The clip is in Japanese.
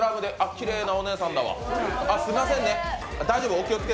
きれいなお姉さんだわ。